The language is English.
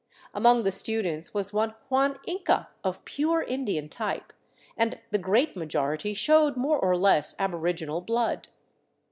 Among the students was one Juan Inca, of pure Indian type, and the great majority showed more or less aboriginal blood.